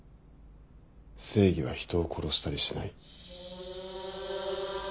正義は人を殺したりしない。